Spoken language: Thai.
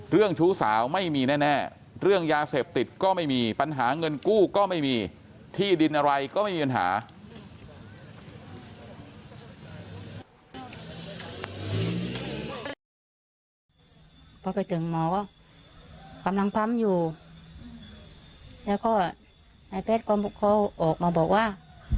ชู้สาวไม่มีแน่เรื่องยาเสพติดก็ไม่มีปัญหาเงินกู้ก็ไม่มีที่ดินอะไรก็ไม่มีปัญหา